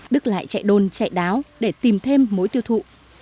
đức lại chạy đôn chạy đáo để tìm thêm mối tiêu thụ